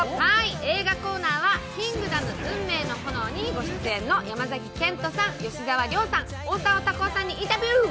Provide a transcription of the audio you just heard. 映画コーナーは「キングダム運命の炎」にご出演の山崎賢人さん、吉沢亮さん、大沢たかおさんにインタビュー。